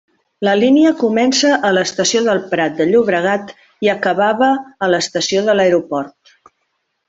La línia comença a l'estació del Prat de Llobregat i acabava a l'estació de l'Aeroport.